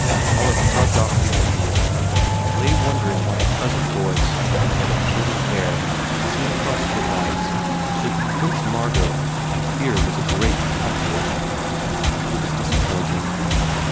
Olive shrugged off the idea hy wonder ing why a pleasant voice and a head of curly hair seen across footlights should convince Margot that here was a great actor. It was disappoint ing.